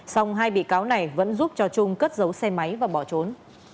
song hai bị cáo này vẫn giúp cho trung cất giấu xe máy và bỏ trốn